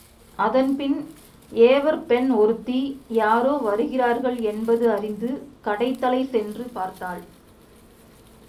அதன்பின் ஏவற்பெண் ஒருத்தி யாரோ வருகிறார்கள் என்பது அறிந்து கடைத்தலை சென்று பார்த்தாள்.